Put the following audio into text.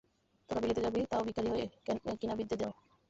তোরা বিলেত যাবি, তাও ভিখিরী হয়ে, কিনা বিদ্যে দাও।